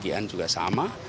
bagian juga sama